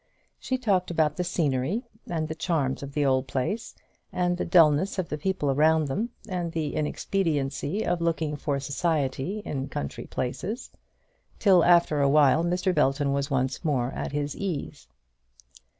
She talked about the scenery, and the charms of the old place, and the dullness of the people around them, and the inexpediency of looking for society in country places; till after awhile Mr. Belton was once more at his ease.